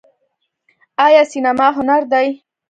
آیا سینما هنر دی؟